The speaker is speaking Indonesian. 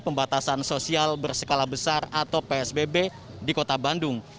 pembatasan sosial berskala besar atau psbb di kota bandung